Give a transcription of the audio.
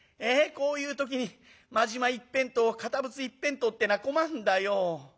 こういう時に真面目一辺倒堅物一辺倒ってのは困んだよ。